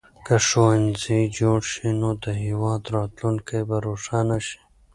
که ښوونځي جوړ شي نو د هېواد راتلونکی به روښانه شي.